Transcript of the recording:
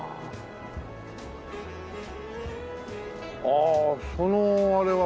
ああそのあれは。